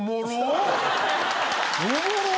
おもろっ！